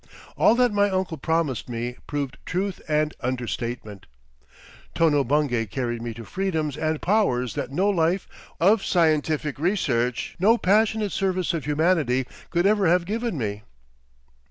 All that my uncle promised me proved truth and understatement; Tono Bungay carried me to freedoms and powers that no life of scientific research, no passionate service of humanity could ever have given me....